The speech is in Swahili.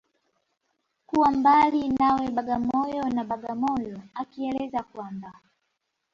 Kuwa mbali nawe Bagamoyo na Bagamoyo akieleza kwamba